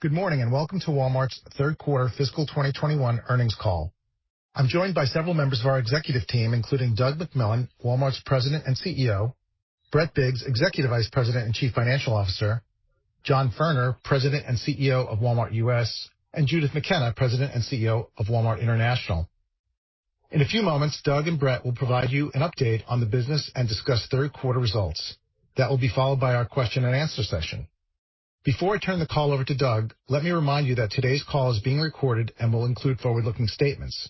Good morning, and welcome to Walmart's third quarter fiscal 2021 earnings call. I'm joined by several members of our executive team, including Doug McMillon, Walmart's President and CEO, Brett Biggs, Executive Vice President and Chief Financial Officer, John Furner, President and CEO of Walmart U.S., and Judith McKenna, President and CEO of Walmart International. In a few moments, Doug and Brett will provide you an update on the business and discuss third quarter results. That will be followed by our question and answer session. Before I turn the call over to Doug, let me remind you that today's call is being recorded and will include forward-looking statements.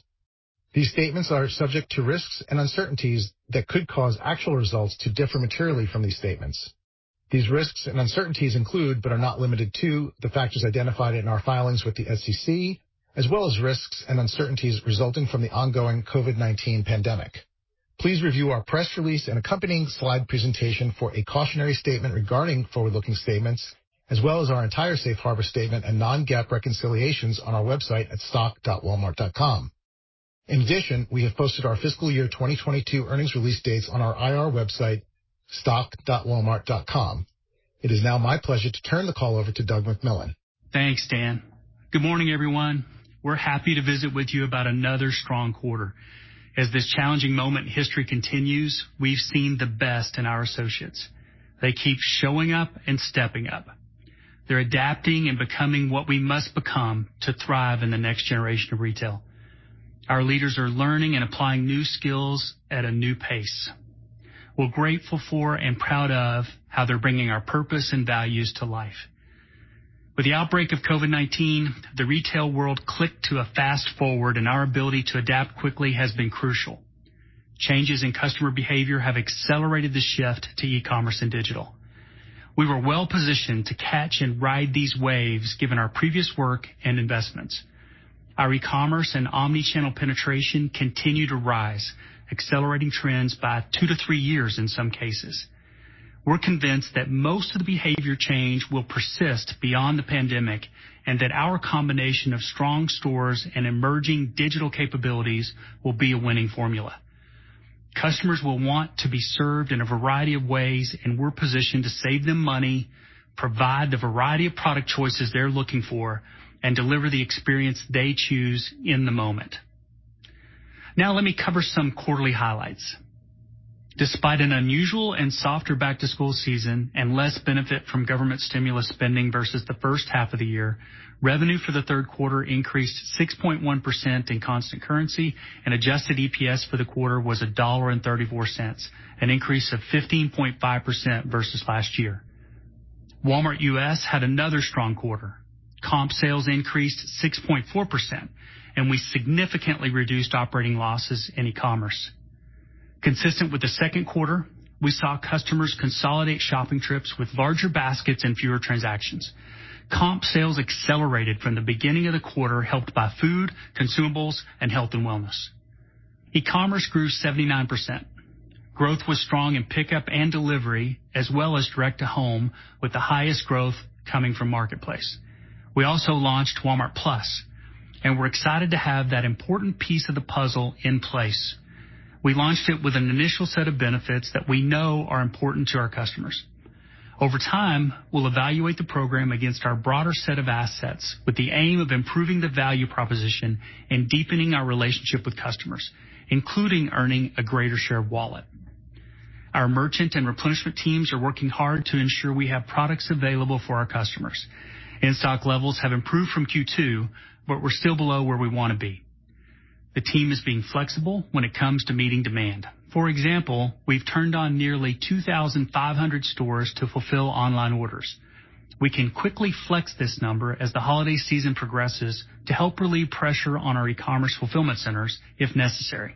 These statements are subject to risks and uncertainties that could cause actual results to differ materially from these statements. These risks and uncertainties include, but are not limited to, the factors identified in our filings with the SEC, as well as risks and uncertainties resulting from the ongoing COVID-19 pandemic. Please review our press release and accompanying slide presentation for a cautionary statement regarding forward-looking statements, as well as our entire safe harbor statement and non-GAAP reconciliations on our website at stock.walmart.com. In addition, we have posted our fiscal year 2022 earnings release dates on our IR website, stock.walmart.com. It is now my pleasure to turn the call over to Doug McMillon. Thanks, Dan. Good morning, everyone. We're happy to visit with you about another strong quarter. As this challenging moment in history continues, we've seen the best in our associates. They keep showing up and stepping up. They're adapting and becoming what we must become to thrive in the next generation of retail. Our leaders are learning and applying new skills at a new pace. We're grateful for and proud of how they're bringing our purpose and values to life. With the outbreak of COVID-19, the retail world clicked to a fast-forward, and our ability to adapt quickly has been crucial. Changes in customer behavior have accelerated the shift to e-commerce and digital. We were well-positioned to catch and ride these waves, given our previous work and investments. Our e-commerce and omnichannel penetration continue to rise, accelerating trends by two to three years in some cases. We're convinced that most of the behavior change will persist beyond the pandemic, and that our combination of strong stores and emerging digital capabilities will be a winning formula. Customers will want to be served in a variety of ways, and we're positioned to save them money, provide the variety of product choices they're looking for, and deliver the experience they choose in the moment. Now, let me cover some quarterly highlights. Despite an unusual and softer back-to-school season and less benefit from government stimulus spending versus the first half of the year, revenue for the third quarter increased 6.1% in constant currency, and adjusted EPS for the quarter was $1.34, an increase of 15.5% versus last year. Walmart U.S. had another strong quarter. Comp sales increased 6.4%, and we significantly reduced operating losses in e-commerce. Consistent with the second quarter, we saw customers consolidate shopping trips with larger baskets and fewer transactions. Comp sales accelerated from the beginning of the quarter, helped by food, consumables, and health and wellness. E-commerce grew 79%. Growth was strong in pickup and delivery, as well as direct-to-home, with the highest growth coming from Marketplace. We also launched Walmart+, and we're excited to have that important piece of the puzzle in place. We launched it with an initial set of benefits that we know are important to our customers. Over time, we'll evaluate the program against our broader set of assets with the aim of improving the value proposition and deepening our relationship with customers, including earning a greater share of wallet. Our merchant and replenishment teams are working hard to ensure we have products available for our customers. In-stock levels have improved from Q2, we're still below where we want to be. The team is being flexible when it comes to meeting demand. For example, we've turned on nearly 2,500 stores to fulfill online orders. We can quickly flex this number as the holiday season progresses to help relieve pressure on our e-commerce fulfillment centers if necessary.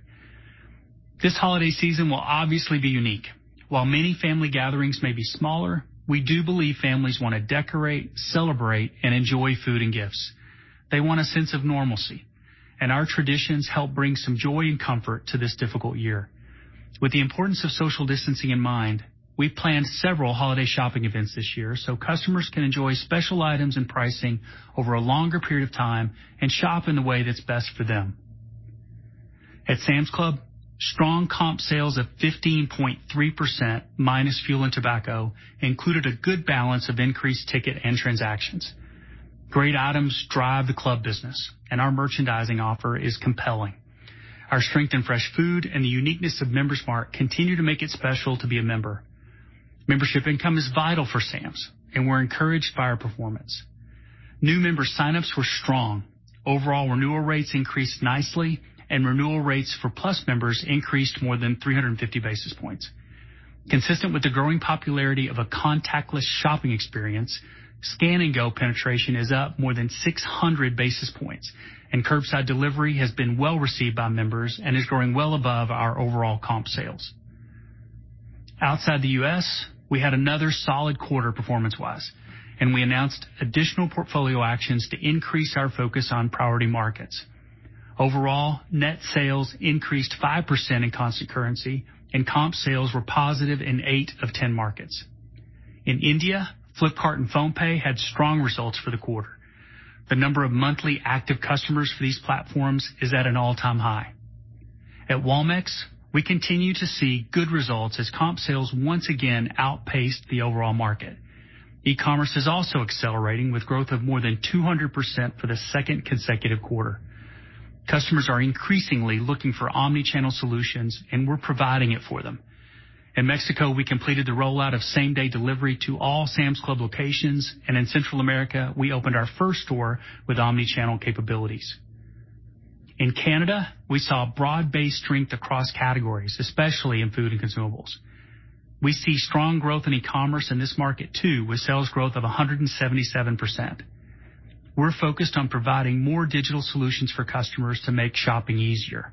This holiday season will obviously be unique. While many family gatherings may be smaller, we do believe families want to decorate, celebrate, and enjoy food and gifts. They want a sense of normalcy, our traditions help bring some joy and comfort to this difficult year. With the importance of social distancing in mind, we've planned several holiday shopping events this year so customers can enjoy special items and pricing over a longer period of time and shop in the way that's best for them. At Sam's Club, strong comp sales of 15.3% minus fuel and tobacco included a good balance of increased ticket and transactions. Great items drive the club business, and our merchandising offer is compelling. Our strength in fresh food and the uniqueness of Member's Mark continue to make it special to be a member. Membership income is vital for Sam's, and we're encouraged by our performance. New member sign-ups were strong. Overall renewal rates increased nicely, and renewal rates for Plus members increased more than 350 basis points. Consistent with the growing popularity of a contactless shopping experience, Scan & Go penetration is up more than 600 basis points, and curbside delivery has been well-received by members and is growing well above our overall comp sales. Outside the U.S., we had another solid quarter performance-wise, and we announced additional portfolio actions to increase our focus on priority markets. Overall, net sales increased 5% in constant currency, and comp sales were positive in eight of 10 markets. In India, Flipkart and PhonePe had strong results for the quarter. The number of monthly active customers for these platforms is at an all-time high. At Walmex, we continue to see good results as comp sales once again outpaced the overall market. E-commerce is also accelerating, with growth of more than 200% for the second consecutive quarter. Customers are increasingly looking for omni-channel solutions, and we're providing it for them. In Mexico, we completed the rollout of same-day delivery to all Sam's Club locations, and in Central America, we opened our first store with omni-channel capabilities. In Canada, we saw broad-based strength across categories, especially in food and consumables. We see strong growth in e-commerce in this market, too, with sales growth of 177%. We're focused on providing more digital solutions for customers to make shopping easier.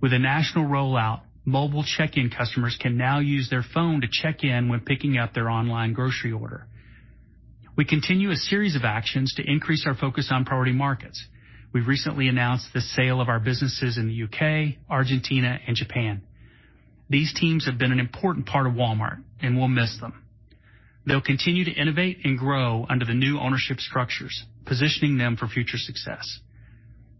With a national rollout, mobile check-in customers can now use their phone to check in when picking up their online grocery order. We continue a series of actions to increase our focus on priority markets. We've recently announced the sale of our businesses in the U.K., Argentina, and Japan. These teams have been an important part of Walmart, and we'll miss them. They'll continue to innovate and grow under the new ownership structures, positioning them for future success.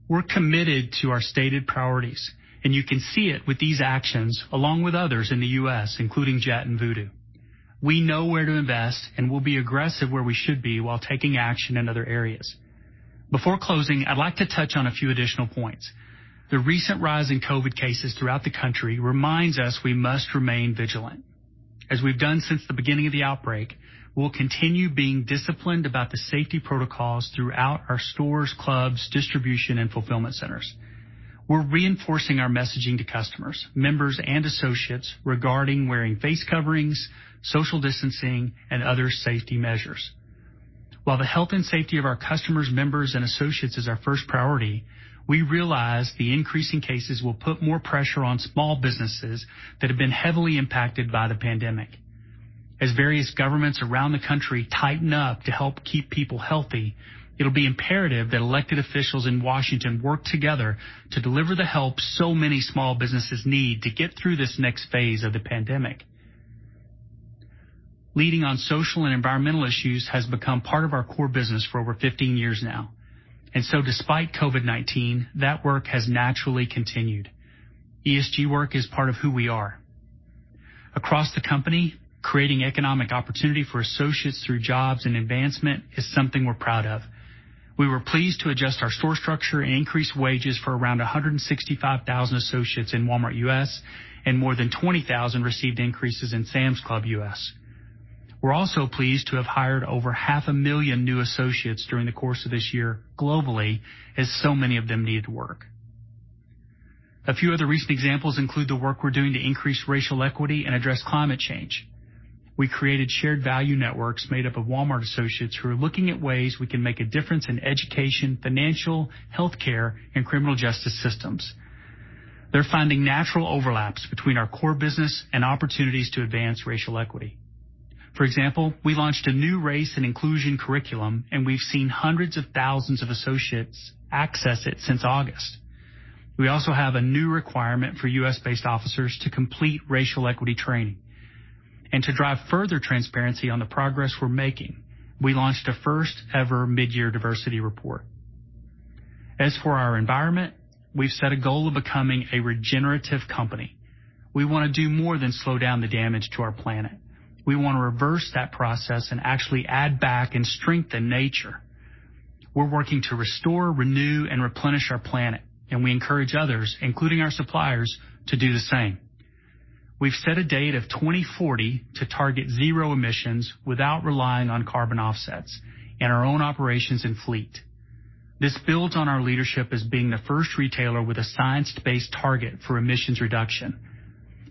We're committed to our stated priorities, and you can see it with these actions, along with others in the U.S., including Jet and Vudu. We know where to invest, and we'll be aggressive where we should be while taking action in other areas. Before closing, I'd like to touch on a few additional points. The recent rise in COVID cases throughout the country reminds us we must remain vigilant. As we've done since the beginning of the outbreak, we'll continue being disciplined about the safety protocols throughout our stores, clubs, distribution, and fulfillment centers. We're reinforcing our messaging to customers, members, and associates regarding wearing face coverings, social distancing, and other safety measures. While the health and safety of our customers, members, and associates is our first priority, we realize the increasing cases will put more pressure on small businesses that have been heavily impacted by the pandemic. As various governments around the country tighten up to help keep people healthy, it'll be imperative that elected officials in Washington work together to deliver the help so many small businesses need to get through this next phase of the pandemic. Leading on social and environmental issues has become part of our core business for over 15 years now. Despite COVID-19, that work has naturally continued. ESG work is part of who we are. Across the company, creating economic opportunity for associates through jobs and advancement is something we're proud of. We were pleased to adjust our store structure and increase wages for around 165,000 associates in Walmart U.S., and more than 20,000 received increases in Sam's Club U.S. We're also pleased to have hired over half a million new associates during the course of this year globally, as so many of them needed work. A few other recent examples include the work we're doing to increase racial equity and address climate change. We created shared value networks made up of Walmart associates who are looking at ways we can make a difference in education, financial, health care, and criminal justice systems. They're finding natural overlaps between our core business and opportunities to advance racial equity. For example, we launched a new race and inclusion curriculum, and we've seen hundreds of thousands of associates access it since August. We also have a new requirement for U.S.-based officers to complete racial equity training. To drive further transparency on the progress we're making, we launched a first-ever mid-year diversity report. As for our environment, we've set a goal of becoming a regenerative company. We want to do more than slow down the damage to our planet. We want to reverse that process and actually add back and strengthen nature. We're working to restore, renew, and replenish our planet, and we encourage others, including our suppliers, to do the same. We've set a date of 2040 to target zero emissions without relying on carbon offsets in our own operations and fleet. This builds on our leadership as being the first retailer with a science-based target for emissions reduction.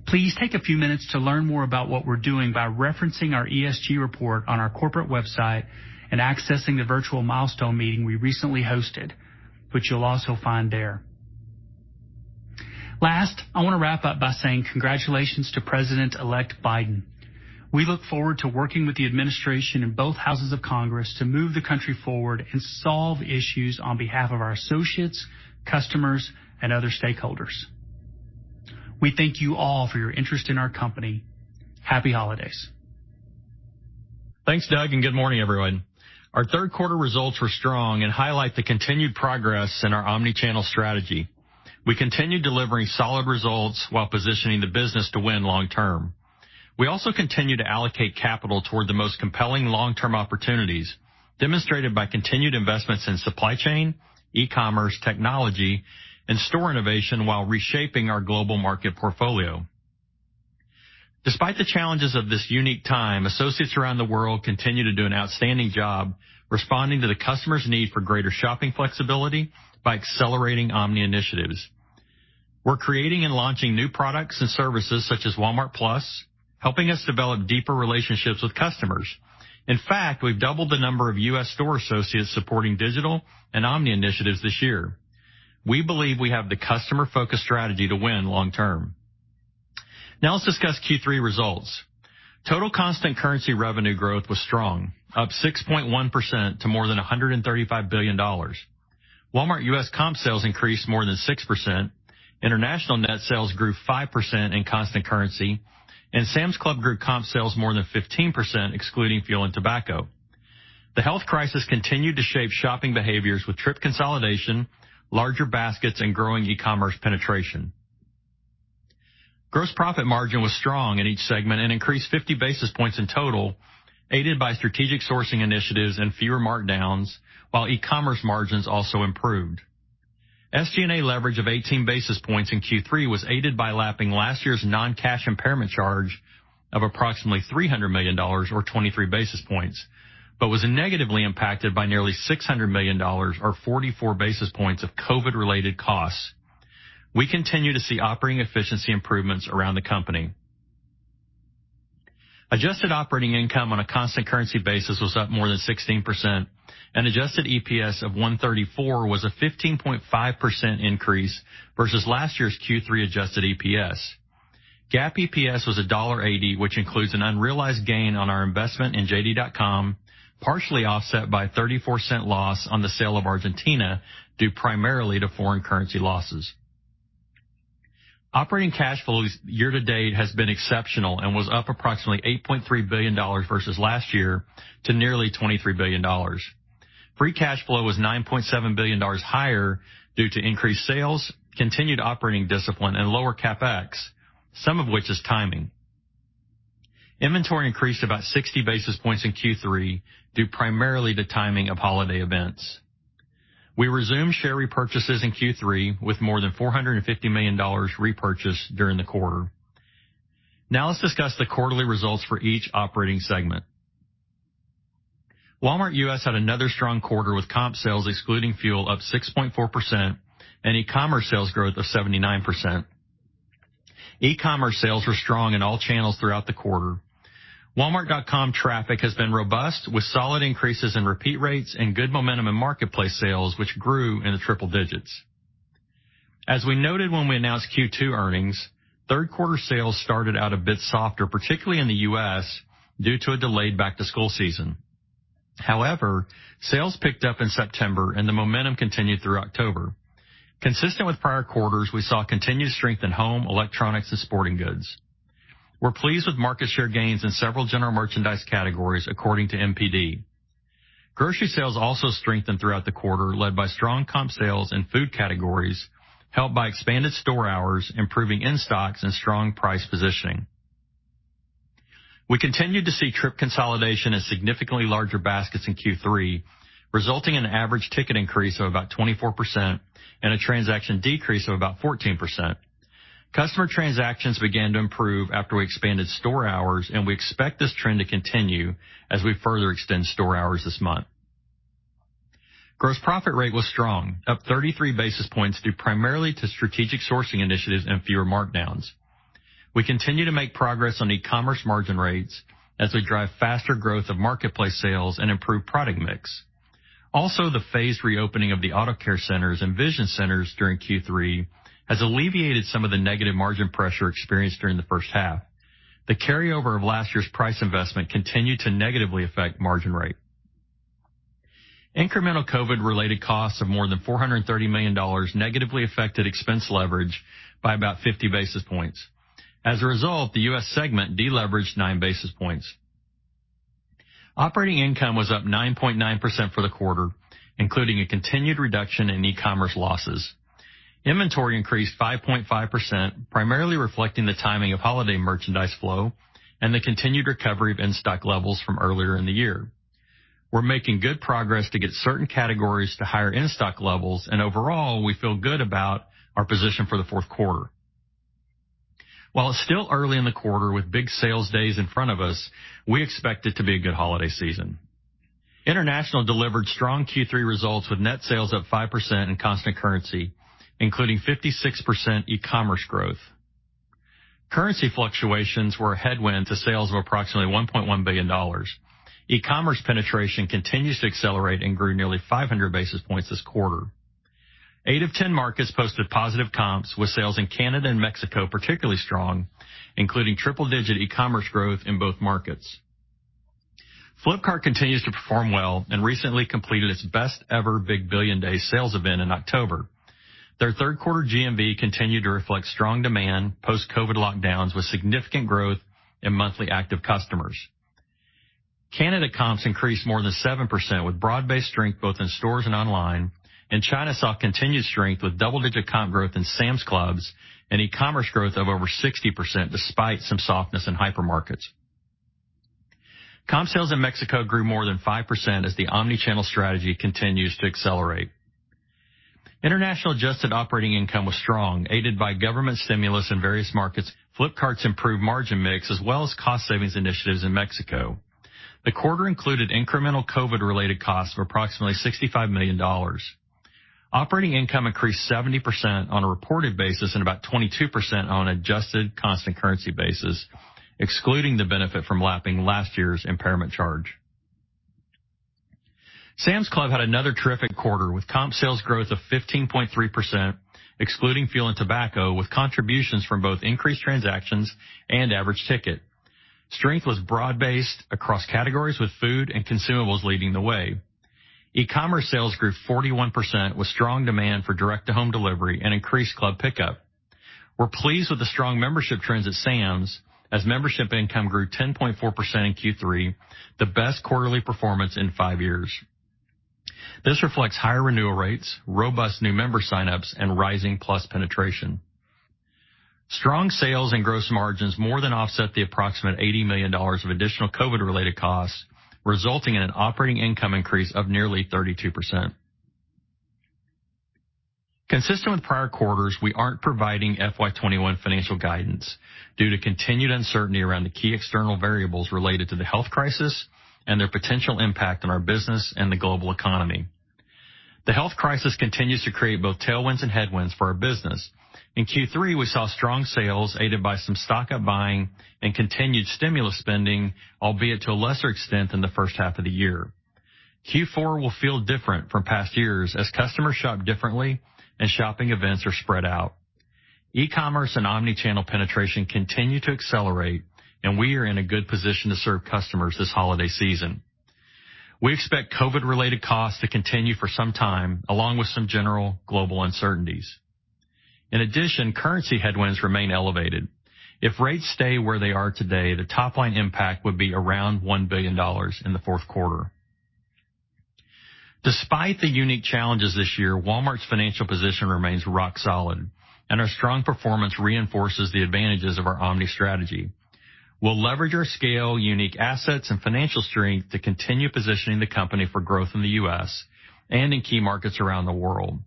Please take a few minutes to learn more about what we're doing by referencing our ESG Report on our corporate website and accessing the virtual milestone meeting we recently hosted, which you'll also find there. Last, I want to wrap up by saying congratulations to President-elect Biden. We look forward to working with the administration and both houses of Congress to move the country forward and solve issues on behalf of our associates, customers, and other stakeholders. We thank you all for your interest in our company. Happy holidays. Thanks, Doug. Good morning, everyone. Our third quarter results were strong and highlight the continued progress in our omni-channel strategy. We continue delivering solid results while positioning the business to win long term. We also continue to allocate capital toward the most compelling long-term opportunities, demonstrated by continued investments in supply chain, e-commerce, technology, and store innovation while reshaping our global market portfolio. Despite the challenges of this unique time, associates around the world continue to do an outstanding job responding to the customer's need for greater shopping flexibility by accelerating omni initiatives. We're creating and launching new products and services such as Walmart+, helping us develop deeper relationships with customers. In fact, we've doubled the number of U.S. store associates supporting digital and omni initiatives this year. We believe we have the customer-focused strategy to win long term. Now let's discuss Q3 results. Total constant currency revenue growth was strong, up 6.1% to more than $135 billion. Walmart U.S. comp sales increased more than 6%, international net sales grew 5% in constant currency, and Sam's Club grew comp sales more than 15%, excluding fuel and tobacco. The health crisis continued to shape shopping behaviors with trip consolidation, larger baskets, and growing e-commerce penetration. Gross profit margin was strong in each segment and increased 50 basis points in total, aided by strategic sourcing initiatives and fewer markdowns, while e-commerce margins also improved. SG&A leverage of 18 basis points in Q3 was aided by lapping last year's non-cash impairment charge of approximately $300 million, or 23 basis points, but was negatively impacted by nearly $600 million, or 44 basis points of COVID-related costs. We continue to see operating efficiency improvements around the company. Adjusted operating income on a constant currency basis was up more than 16%, adjusted EPS of $1.34 was a 15.5% increase versus last year's Q3 adjusted EPS. GAAP EPS was $1.80, which includes an unrealized gain on our investment in JD.com, partially offset by a $0.34 loss on the sale of Argentina, due primarily to foreign currency losses. Operating cash flows year to date has been exceptional and was up approximately $8.3 billion versus last year to nearly $23 billion. Free cash flow was $9.7 billion higher due to increased sales, continued operating discipline, and lower CapEx, some of which is timing. Inventory increased about 60 basis points in Q3 due primarily to timing of holiday events. We resumed share repurchases in Q3 with more than $450 million repurchased during the quarter. Let's discuss the quarterly results for each operating segment. Walmart U.S. had another strong quarter with comp sales excluding fuel up 6.4% and e-commerce sales growth of 79%. E-commerce sales were strong in all channels throughout the quarter. Walmart.com traffic has been robust, with solid increases in repeat rates and good momentum in Marketplace sales, which grew in the triple digits. As we noted when we announced Q2 earnings, third quarter sales started out a bit softer, particularly in the U.S., due to a delayed back-to-school season. However, sales picked up in September and the momentum continued through October. Consistent with prior quarters, we saw continued strength in home, electronics, and sporting goods. We're pleased with market share gains in several general merchandise categories, according to NPD. Grocery sales also strengthened throughout the quarter, led by strong comp sales in food categories, helped by expanded store hours, improving in-stocks, and strong price positioning. We continued to see trip consolidation and significantly larger baskets in Q3, resulting in an average ticket increase of about 24% and a transaction decrease of about 14%. Customer transactions began to improve after we expanded store hours, and we expect this trend to continue as we further extend store hours this month. Gross profit rate was strong, up 33 basis points due primarily to strategic sourcing initiatives and fewer markdowns. We continue to make progress on e-commerce margin rates as we drive faster growth of Marketplace sales and improve product mix. Also, the phased reopening of the Auto Care Centers and Vision Centers during Q3 has alleviated some of the negative margin pressure experienced during the first half. The carryover of last year's price investment continued to negatively affect margin rate. Incremental COVID-related costs of more than $430 million negatively affected expense leverage by about 50 basis points. As a result, the U.S. segment de-leveraged nine basis points. Operating income was up 9.9% for the quarter, including a continued reduction in e-commerce losses. Inventory increased 5.5%, primarily reflecting the timing of holiday merchandise flow and the continued recovery of in-stock levels from earlier in the year. We're making good progress to get certain categories to higher in-stock levels, and overall, we feel good about our position for the fourth quarter. While it's still early in the quarter with big sales days in front of us, we expect it to be a good holiday season. International delivered strong Q3 results with net sales up 5% in constant currency, including 56% e-commerce growth. Currency fluctuations were a headwind to sales of approximately $1.1 billion. E-commerce penetration continues to accelerate and grew nearly 500 basis points this quarter, eight of 10 markets posted positive comps, with sales in Canada and Mexico particularly strong, including triple-digit e-commerce growth in both markets. Flipkart continues to perform well and recently completed its best ever Big Billion Days sales event in October. Their third quarter GMV continued to reflect strong demand post-COVID lockdowns, with significant growth in monthly active customers. China saw continued strength with double-digit comp growth in Sam's Club and e-commerce growth of over 60%, despite some softness in hypermarkets. Comp sales in Mexico grew more than 5% as the omni-channel strategy continues to accelerate. International adjusted operating income was strong, aided by government stimulus in various markets, Flipkart's improved margin mix, as well as cost savings initiatives in Mexico. The quarter included incremental COVID-related costs of approximately $65 million. Operating income increased 70% on a reported basis and about 22% on an adjusted constant currency basis, excluding the benefit from lapping last year's impairment charge. Sam's Club had another terrific quarter with comp sales growth of 15.3%, excluding fuel and tobacco, with contributions from both increased transactions and average ticket. Strength was broad-based across categories with food and consumables leading the way. E-commerce sales grew 41%, with strong demand for direct-to-home delivery and increased club pickup. We're pleased with the strong membership trends at Sam's, as membership income grew 10.4% in Q3, the best quarterly performance in five years. This reflects higher renewal rates, robust new member sign-ups, and rising Plus penetration. Strong sales and gross margins more than offset the approximate $80 million of additional COVID-related costs, resulting in an operating income increase of nearly 32%. Consistent with prior quarters, we aren't providing FY 2021 financial guidance due to continued uncertainty around the key external variables related to the health crisis and their potential impact on our business and the global economy. The health crisis continues to create both tailwinds and headwinds for our business. In Q3, we saw strong sales aided by some stock-up buying and continued stimulus spending, albeit to a lesser extent than the first half of the year. Q4 will feel different from past years as customers shop differently and shopping events are spread out. E-commerce and omni-channel penetration continue to accelerate, and we are in a good position to serve customers this holiday season. We expect COVID-related costs to continue for some time, along with some general global uncertainties. In addition, currency headwinds remain elevated. If rates stay where they are today, the top-line impact would be around $1 billion in the fourth quarter. Despite the unique challenges this year, Walmart's financial position remains rock solid, and our strong performance reinforces the advantages of our omni strategy. We'll leverage our scale, unique assets, and financial strength to continue positioning the company for growth in the U.S. and in key markets around the world.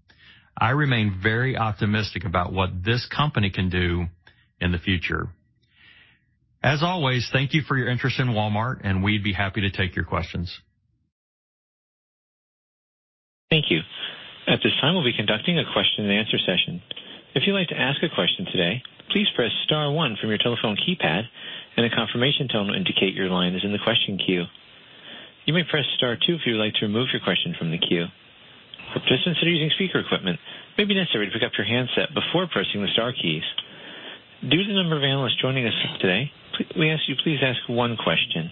I remain very optimistic about what this company can do in the future. As always, thank you for your interest in Walmart, and we'd be happy to take your questions. Thank you. At this time, we'll be conducting a question and answer session. If you'd like to ask a question today, please press star one from your telephone keypad, and a confirmation tone will indicate your line is in the question queue. You may press star two if you would like to remove your question from the queue. Participants are using speaker equipment. It may be necessary to pick up your handset before pressing the star keys. Due to the number of analysts joining us today, may we ask you please ask one question.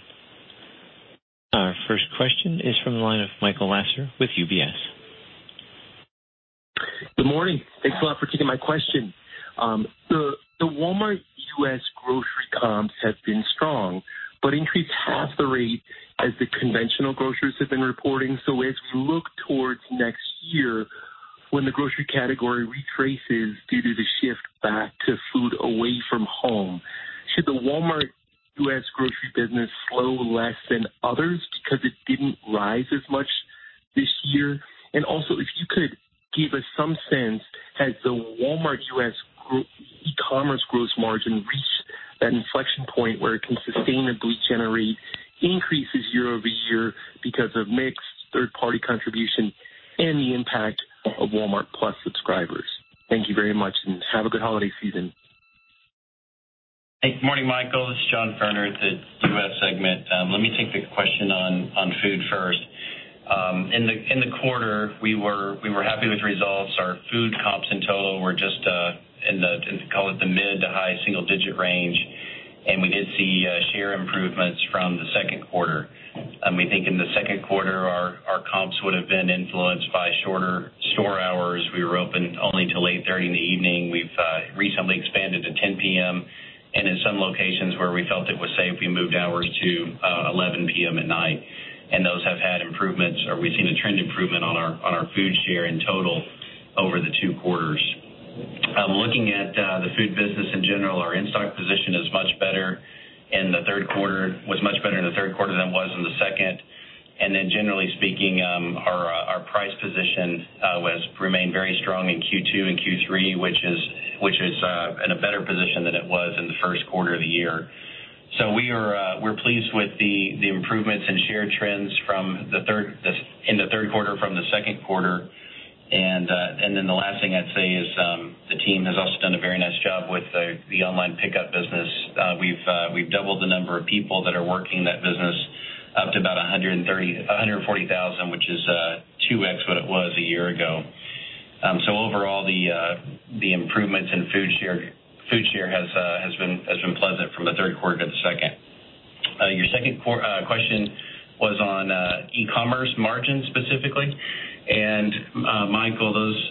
Our first question is from the line of Michael Lasser with UBS. Good morning. Thanks a lot for taking my question. The Walmart U.S. grocery comps have been strong but increased half the rate as the conventional groceries have been reporting. As we look towards next year when the grocery category retraces due to the shift back to food away from home, should the Walmart U.S. grocery business slow less than others because it didn't rise as much this year? Also, if you could give us some sense, has the Walmart U.S. e-commerce gross margin reached that inflection point where it can sustainably generate increases year over year because of mix, third-party contribution, and the impact of Walmart+ subscribers? Thank you very much, and have a good holiday season. Good morning, Michael. This is John Furner at the U.S. segment. Let me take the question on food first. In the quarter, we were happy with the results. Our food comps in total were just in the, call it, the mid to high single-digit range, and we did see share improvements from the second quarter. We think in the second quarter, our comps would've been influenced by shorter store hours. We were open only till 8:30 P.M. in the evening. We've recently expanded to 10:00 P.M. In some locations where we felt it was safe, we moved hours to 11:00 P.M. at night. Those have had improvements, or we've seen a trend improvement on our food share in total over the two quarters. Looking at the food business in general, our in-stock position is much better, and the third quarter was much better than it was in the second. Generally speaking, our price position has remained very strong in Q2 and Q3, which is in a better position than it was in the first quarter of the year. We're pleased with the improvements in share trends in the third quarter from the second quarter. The last thing I'd say is the team has also done a very nice job with the online pickup business. We've doubled the number of people that are working that business up to about 140,000, which is 2x what it was a year ago. Overall, the improvements in food share has been pleasant from the third quarter to the second. Your second question was on e-commerce margins specifically. Michael, those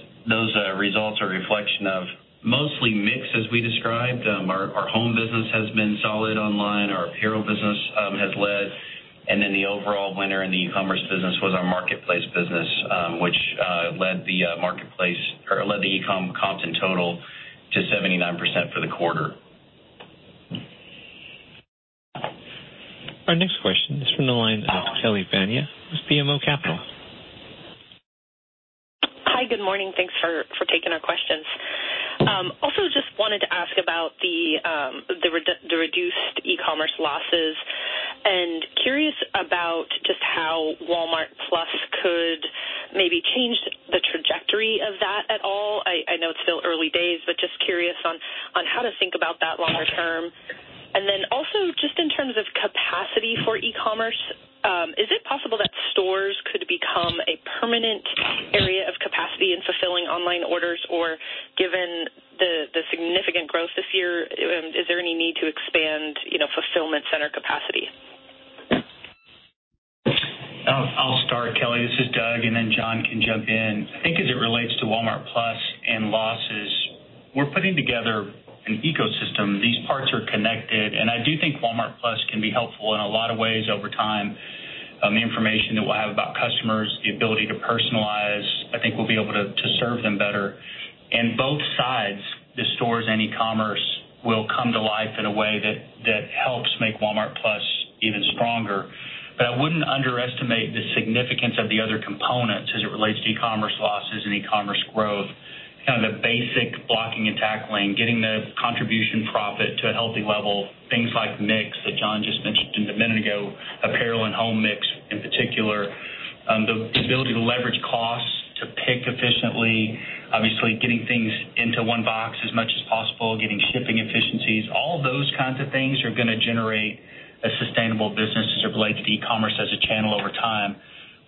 results are a reflection of mostly mix, as we described. Our home business has been solid online. Our apparel business has led. The overall winner in the e-commerce business was our Marketplace business, which led the e-com comps in total to 79% for the quarter. Our next question is from the line of Kelly Bania with BMO Capital. Hi. Good morning. Thanks for taking our questions. Just wanted to ask about the reduced e-commerce losses, and curious about just how Walmart+ could maybe change the trajectory of that at all. I know it's still early days, but just curious on how to think about that longer term. Just in terms of capacity for e-commerce, is it possible that stores could become a permanent area? Online orders or given the significant growth this year, is there any need to expand fulfillment center capacity? I'll start, Kelly. This is Doug, and then John can jump in. I think as it relates to Walmart+ and losses, we're putting together an ecosystem. These parts are connected, I do think Walmart+ can be helpful in a lot of ways over time. The information that we'll have about customers, the ability to personalize, I think we'll be able to serve them better. Both sides, the stores and e-commerce, will come to life in a way that helps make Walmart+ even stronger. I wouldn't underestimate the significance of the other components as it relates to e-commerce losses and e-commerce growth. Kind of the basic blocking and tackling, getting the contribution profit to a healthy level, things like mix that John just mentioned a minute ago, apparel and home mix in particular. The ability to leverage costs to pick efficiently, obviously getting things into one box as much as possible, getting shipping efficiencies. All those kinds of things are going to generate a sustainable business as it relates to e-commerce as a channel over time.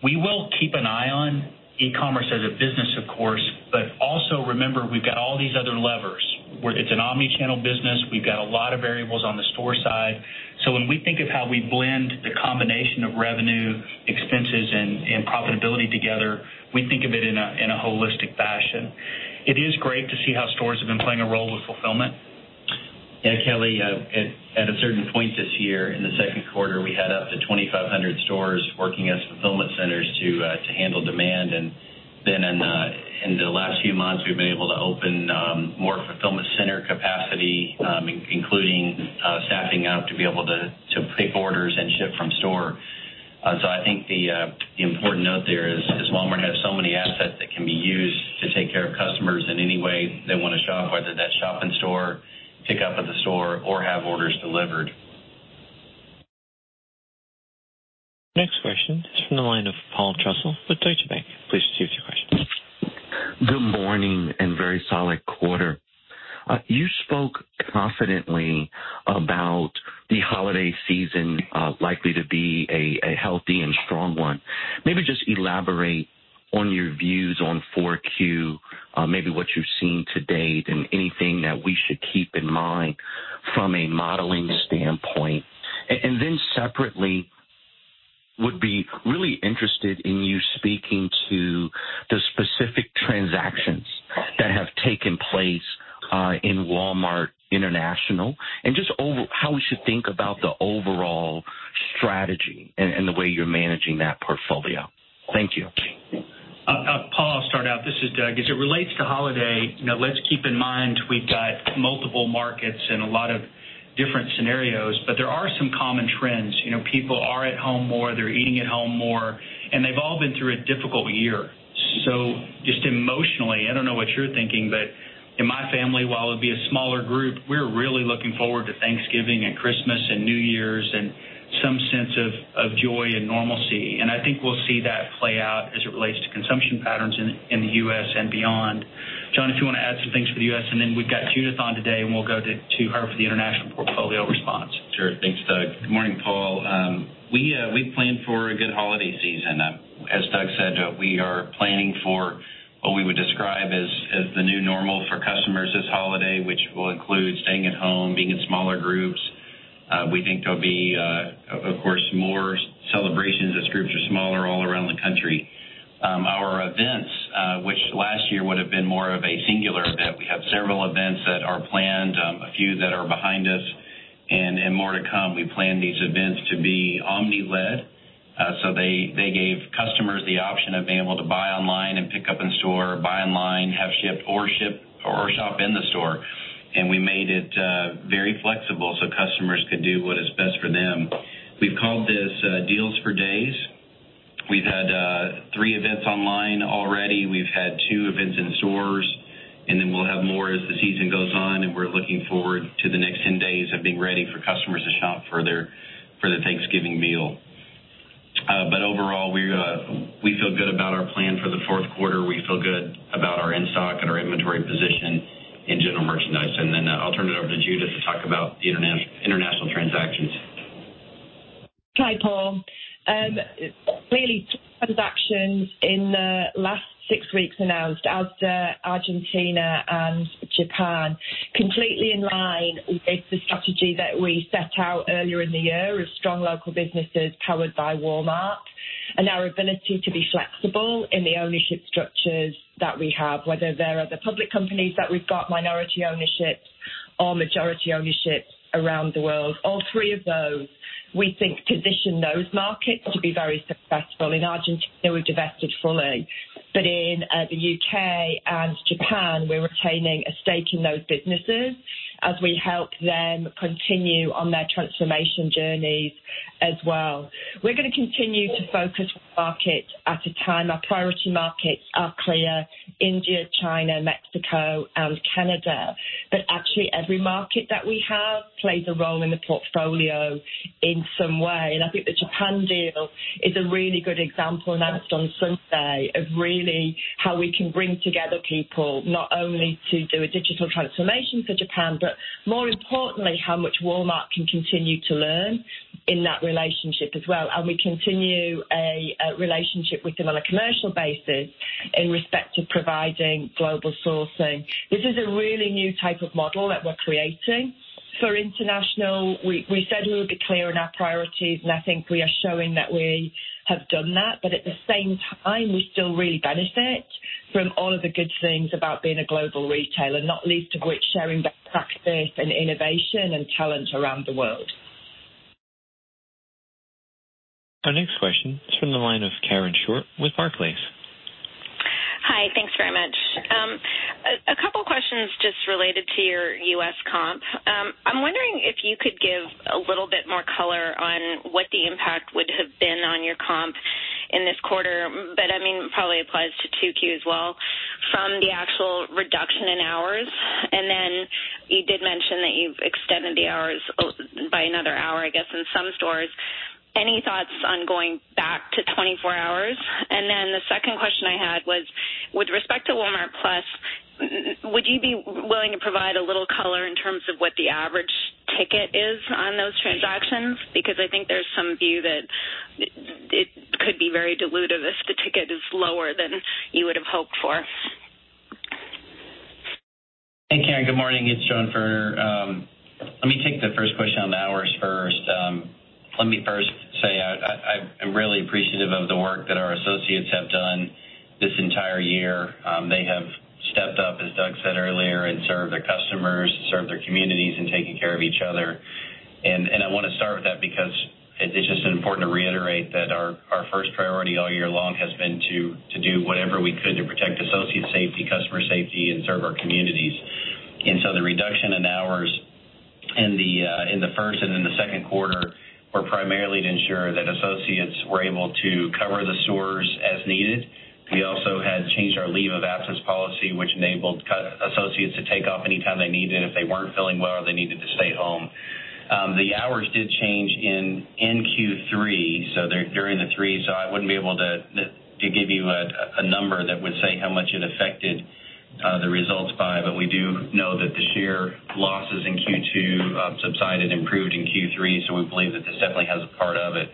We will keep an eye on e-commerce as a business, of course, but also remember, we've got all these other levers. It's an omnichannel business. We've got a lot of variables on the store side. When we think of how we blend the combination of revenue, expenses, and profitability together, we think of it in a holistic fashion. It is great to see how stores have been playing a role with fulfillment. Yeah, Kelly. At a certain point this year in the second quarter, we had up to 2,500 stores working as fulfillment centers to handle demand. In the last few months, we've been able to open more fulfillment center capacity, including staffing up to be able to pick orders and ship from store. I think the important note there is Walmart has so many assets that can be used to take care of customers in any way they want to shop, whether that's shop in store, pick up at the store, or have orders delivered. Next question is from the line of Paul Trussell with Deutsche Bank. Please proceed with your question. Good morning and very solid quarter. You spoke confidently about the holiday season likely to be a healthy and strong one. Maybe just elaborate on your views on 4Q, maybe what you've seen to date and anything that we should keep in mind from a modeling standpoint. Then separately, would be really interested in you speaking to the specific transactions that have taken place in Walmart International and just how we should think about the overall strategy and the way you're managing that portfolio. Thank you. Paul, I'll start out. This is Doug. As it relates to holiday, let's keep in mind we've got multiple markets and a lot of different scenarios, but there are some common trends. People are at home more, they're eating at home more, and they've all been through a difficult year. Just emotionally, I don't know what you're thinking, but in my family, while it'll be a smaller group, we're really looking forward to Thanksgiving and Christmas and New Year's and some sense of joy and normalcy. I think we'll see that play out as it relates to consumption patterns in the U.S. and beyond. John, if you want to add some things for the U.S., and then we've got Judith on today, and we'll go to her for the international portfolio response. Sure. Thanks, Doug. Good morning, Paul. We plan for a good holiday season. As Doug said, we are planning for what we would describe as the new normal for customers this holiday, which will include staying at home, being in smaller groups. We think there'll be, of course, more celebrations as groups are smaller all around the country. Our events, which last year would've been more of a singular event, we have several events that are planned, a few that are behind us and more to come. We plan these events to be omni-led. They gave customers the option of being able to buy online and pick up in store, buy online, have shipped or ship, or shop in the store. We made it very flexible so customers could do what is best for them. We've called this Deals for Days. We've had three events online already. We've had two events in stores. We'll have more as the season goes on, and we're looking forward to the next 10 days of being ready for customers to shop for their Thanksgiving meal. Overall, we feel good about our plan for the fourth quarter. We feel good about our in-stock and our inventory position in general merchandise. I'll turn it over to Judith to talk about the international transactions. Hi, Paul. Really, two transactions in the last six weeks announced, Asda, Argentina, and Japan, completely in line with the strategy that we set out earlier in the year of strong local businesses powered by Walmart and our ability to be flexible in the ownership structures that we have, whether they're other public companies that we've got minority ownership or majority ownership around the world. All three of those we think position those markets to be very successful. In Argentina, we divested fully. In the U.K. and Japan, we're retaining a stake in those businesses as we help them continue on their transformation journeys as well. We're going to continue to focus on markets at a time. Our priority markets are clear, India, China, Mexico, and Canada. Actually, every market that we have plays a role in the portfolio in some way. I think the Japan deal is a really good example, announced on Sunday, of really how we can bring together people not only to do a digital transformation for Japan, but more importantly, how much Walmart can continue to learn in that relationship as well. We continue a relationship with them on a commercial basis in respect to providing global sourcing. This is a really new type of model that we're creating. For international, we said we would be clear in our priorities. I think we are showing that we have done that. At the same time, we still really benefit from all of the good things about being a global retailer, not least of which sharing best practice and innovation and talent around the world. Our next question is from the line of Karen Short with Barclays. Hi. Thanks very much. A couple questions just related to your U.S. comp. I'm wondering if you could give a little bit more color on what the impact would have been on your comp in this quarter, but probably applies to 2Q as well, from the actual reduction in hours. You did mention that you've extended the hours by another hour, I guess, in some stores. Any thoughts on going back to 24 hours? The second question I had was, with respect to Walmart+, would you be willing to provide a little color in terms of what the average ticket is on those transactions? I think there's some view that it could be very dilutive if the ticket is lower than you would've hoped for. Hey, Karen. Good morning. It's John Furner. Let me take the first question on the hours first. Let me first say, I'm really appreciative of the work that our associates have done this entire year. They have stepped up, as Doug said earlier, served their customers, served their communities in taking care of each other. I want to start with that because it's just important to reiterate that our first priority all year long has been to do whatever we could to protect associate safety, customer safety, and serve our communities. The reduction in hours in the first and in the second quarter were primarily to ensure that associates were able to cover the stores as needed. We also had changed our leave of absence policy, which enabled associates to take off any time they needed if they weren't feeling well or they needed to stay home. The hours did change in Q3. During the three, I wouldn't be able to give you a number that would say how much it affected the results by. We do know that the share losses in Q2 subsided, improved in Q3. We believe that this definitely has a part of it.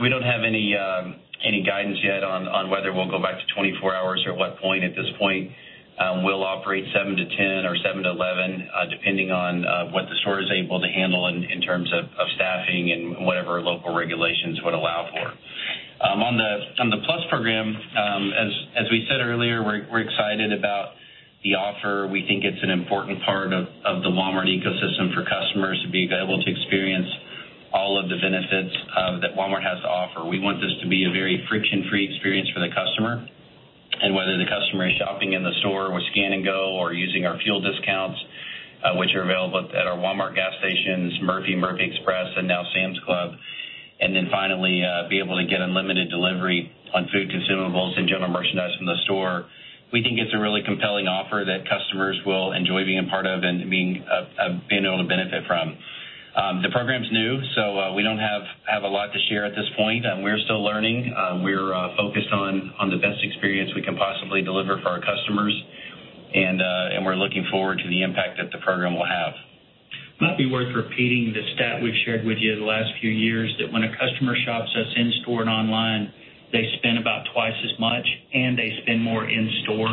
We don't have any guidance yet on whether we'll go back to 24 hours or at what point. At this point, we'll operate 7 to 10 or 7 to 11, depending on what the store is able to handle in terms of staffing and whatever local regulations would allow for. On the Plus program, as we said earlier, we're excited about the offer. We think it's an important part of the Walmart ecosystem for customers to be able to experience all of the benefits that Walmart has to offer. We want this to be a very friction-free experience for the customer. Whether the customer is shopping in the store with Scan & Go or using our fuel discounts, which are available at our Walmart gas stations, Murphy Express, and now Sam's Club. Finally, be able to get unlimited delivery on food consumables and general merchandise from the store. We think it's a really compelling offer that customers will enjoy being a part of and being able to benefit from. The program's new, so we don't have a lot to share at this point. We're still learning. We're focused on the best experience we can possibly deliver for our customers. We're looking forward to the impact that the program will have. Might be worth repeating the stat we've shared with you the last few years, that when a customer shops us in store and online, they spend about twice as much, and they spend more in store.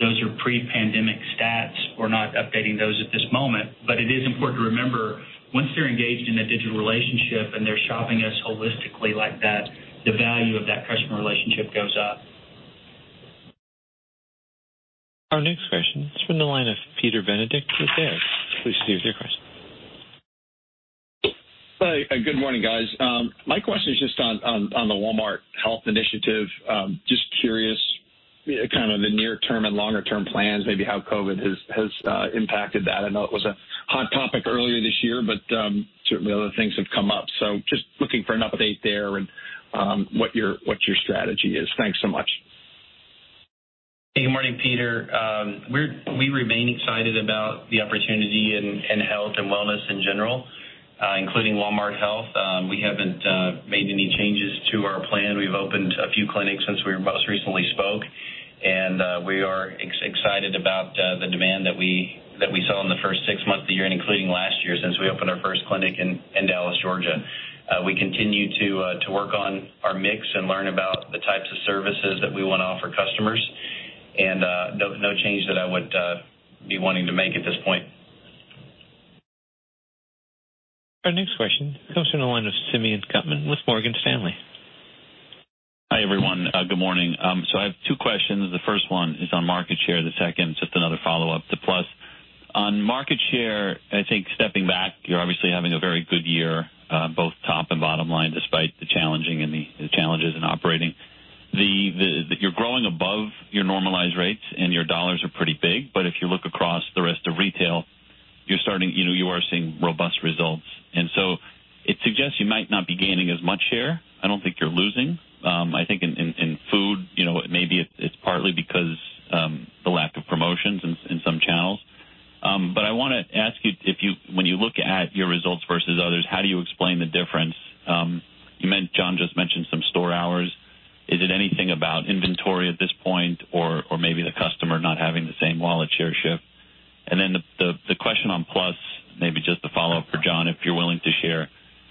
Those are pre-pandemic stats. We're not updating those at this moment. It is important to remember, once they're engaged in a digital relationship and they're shopping us holistically like that, the value of that customer relationship goes up. Our next question is from the line of Peter Benedict with Baird. Please, state your question. Hi. Good morning, guys. My question is just on the Walmart Health initiative. Just curious, kind of the near term and longer term plans, maybe how COVID-19 has impacted that. I know it was a hot topic earlier this year, but certainly other things have come up. Just looking for an update there and what your strategy is. Thanks so much. Hey, good morning, Peter. We remain excited about the opportunity in health and wellness in general, including Walmart Health. We haven't made any changes to our plan. We've opened a few clinics since we most recently spoke, and we are excited about the demand that we saw in the first six months of the year, and including last year, since we opened our first clinic in Dallas, Georgia. We continue to work on our mix and learn about the types of services that we want to offer customers. No change that I would be wanting to make at this point. Our next question comes from the line of Simeon Gutman with Morgan Stanley. Hi, everyone. Good morning. I have two questions. The first one is on market share, the second's just another follow-up to Walmart+. On market share, I think stepping back, you're obviously having a very good year, both top and bottom line, despite the challenges in operating. You're growing above your normalized rates, and your dollars are pretty big, but if you look across the rest of retail, you are seeing robust results. It suggests you might not be gaining as much share. I don't think you're losing. I think in food, maybe it's partly because the lack of promotions in some channels. I want to ask you, when you look at your results versus others, how do you explain the difference? John just mentioned some store hours. Is it anything about inventory at this point, or maybe the customer not having the same wallet share shift? The question on Plus, maybe just a follow-up for John, if you're willing to share.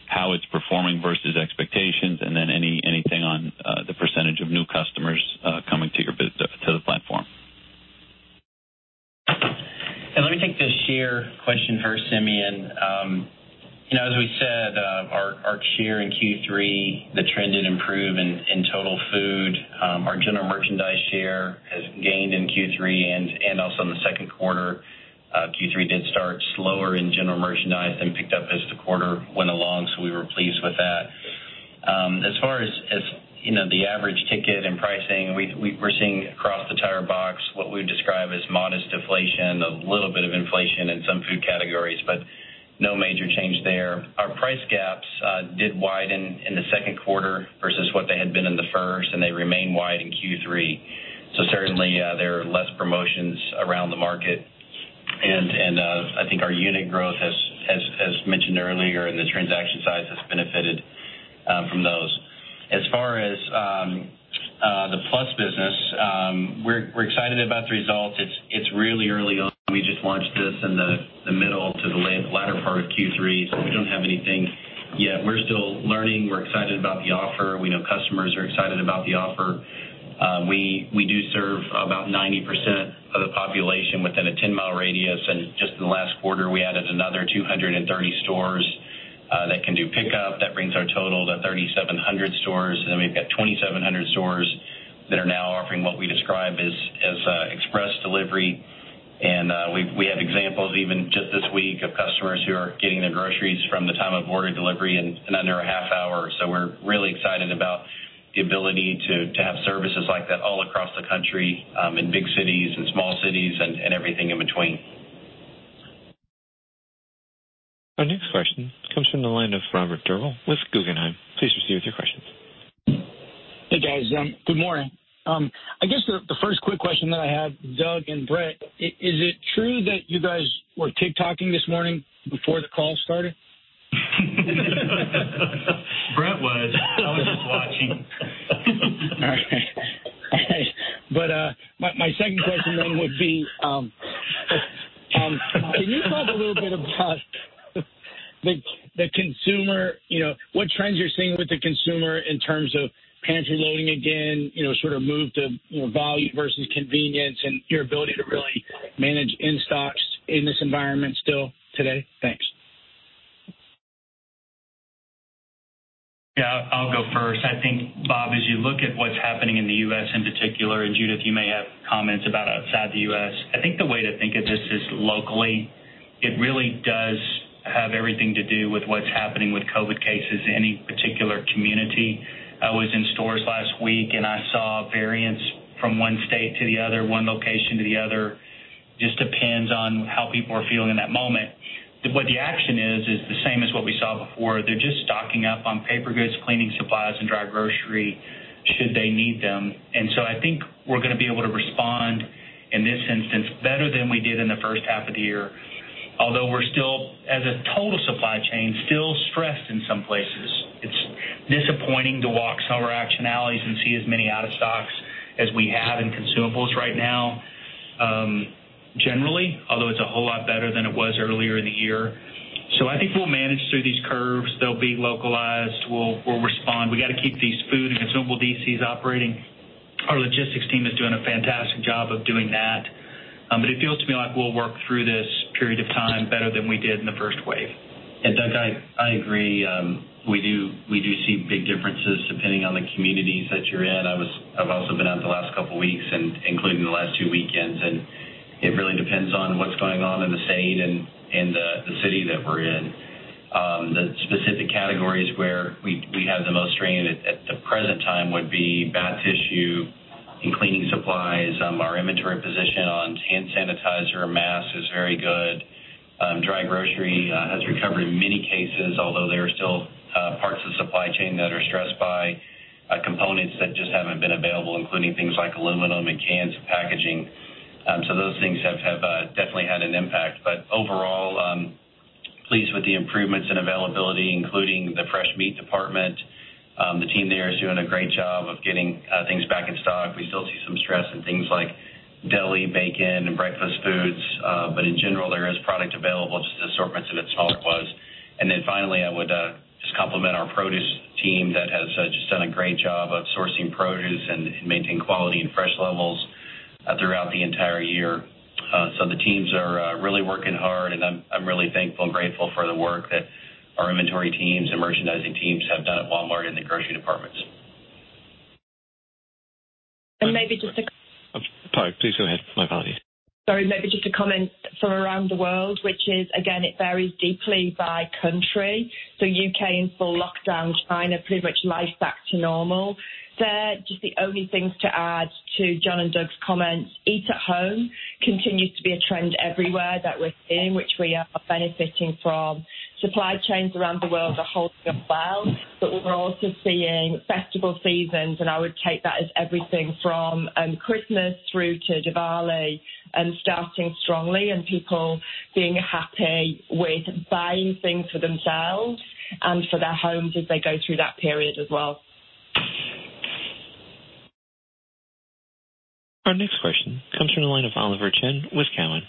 How it is performing versus expectations, then anything on the percentage of new customers coming to the platform. Let me take the share question first, Simeon. As we said, our share in Q3, the trend did improve in total food. Our general merchandise share has gained in Q3 and also in the second quarter. Q3 did start slower in general merchandise, then picked up as the quarter went along. We were pleased with that. As far as the average ticket and pricing, we are seeing across the entire box, what we would describe as modest deflation, a little bit of inflation in some food categories, but no major change there. Our price gaps did widen in the second quarter versus what they had been in the first, and they remain wide in Q3. Certainly, there are less promotions around the market. I think our unit growth, as mentioned earlier, and the transaction size has benefited from those. As far as the Walmart+ business, we're excited about the results. It's really early on. We just launched this in the middle to the latter part of Q3, so we don't have anything yet. We're still learning. We're excited about the offer. We know customers are excited about the offer. We do serve about 90% of the population within a 10-mi radius. Just in the last quarter, we added another 230 stores that can do pickup. That brings our total to 3,700 stores. We've got 2,700 stores that are now offering what we describe as Express Delivery. We have examples even just this week of customers who are getting their groceries from the time of order delivery in under a half hour. We're really excited about the ability to have services like that all across the country, in big cities, in small cities, and everything in between. Our next question comes from the line of Robert Drbul with Guggenheim. Please proceed with your questions. Hey, guys. Good morning. I guess the first quick question that I have, Doug and Brett, is it true that you guys were TikToking this morning before the call started? Brett was. I was just watching. All right. My second question then would be, can you talk a little bit about what trends you're seeing with the consumer in terms of pantry loading again, sort of move to volume versus convenience, and your ability to really manage in-stocks in this environment still today? Thanks. Yeah, I'll go first. I think, Bob, as you look at what's happening in the U.S. in particular, and Judith, you may have comments about outside the U.S., I think the way to think of this is locally. It really does have everything to do with what's happening with COVID cases in any particular community. I was in stores last week, and I saw variance from one state to the other, one location to the other. Just depends on how people are feeling in that moment. The action is the same as what we saw before. They're just stocking up on paper goods, cleaning supplies, and dry grocery should they need them. I think we're going to be able to respond in this instance better than we did in the first half of the year. Although we're still, as a total supply chain, still stressed in some places. It's disappointing to walk some of our action alleys and see as many out of stocks as we have in consumables right now, generally, although it's a whole lot better than it was earlier in the year. I think we'll manage through these curves. They'll be localized. We'll respond. We got to keep these food and consumable DCs operating. Our logistics team is doing a fantastic job of doing that. It feels to me like we'll work through this period of time better than we did in the first wave. Doug, I agree. We do see big differences depending on the communities that you're in. I've also been out the last couple of weeks, including the last two weekends. It really depends on what's going on in the state and the city that we're in. The specific categories where we have the most strain at the present time would be bath tissue and cleaning supplies. Our inventory position on hand sanitizer and masks is very good. Dry grocery has recovered in many cases, although there are still parts of the supply chain that are stressed by components that just haven't been available, including things like aluminum and cans and packaging. Those things have definitely had an impact. Overall, I'm pleased with the improvements in availability, including the fresh meat department. The team there is doing a great job of getting things back in stock. We still see some stress in things like deli, bacon, and breakfast foods. In general, there is product available, just the assortments of it's smaller than it was. Finally, I would just compliment our produce team that has just done a great job of sourcing produce and maintaining quality and fresh levels throughout the entire year. The teams are really working hard, and I'm really thankful and grateful for the work that our inventory teams and merchandising teams have done at Walmart in the grocery departments. Sorry, please go ahead. My apologies. Sorry, maybe just a comment from around the world, which is, again, it varies deeply by country. U.K. in full lockdown, China pretty much life back to normal there. Just the only things to add to John and Doug's comments, eat at home continues to be a trend everywhere that we're seeing, which we are benefiting from. Supply chains around the world are holding up well, but we're also seeing festival seasons, and I would take that as everything from Christmas through to Diwali, starting strongly and people being happy with buying things for themselves and for their homes as they go through that period as well. Our next question comes from the line of Oliver Chen with Cowen.